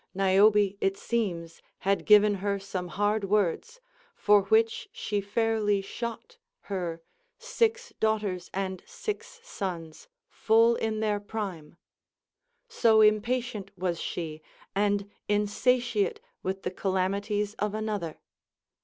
_ Niobe, it seems, had given her some hard Avords, for which she fairly shot her Six daughters, and six sons full in their prime ; t SO impatient was she, and insatiate with the calamities of another.